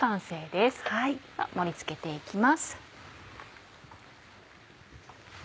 では盛り付けて行きます。